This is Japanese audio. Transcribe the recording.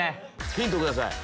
ヒントください。